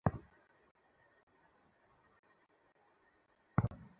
উত্তম পাচক যে-সকল খাদ্যবস্তু লইয়া কাজ করে, তাহাতেই সে সম্পূর্ণ মন নিবিষ্ট করে।